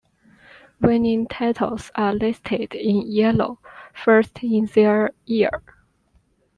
Winning titles are listed in yellow, first in their year.